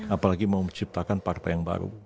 apalagi mau menciptakan partai yang baru